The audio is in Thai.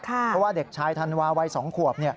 เพราะว่าเด็กชายธันวาวัย๒ขวบ